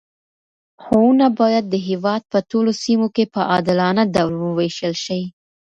ښوونه باید د هېواد په ټولو سیمو کې په عادلانه ډول وویشل شي.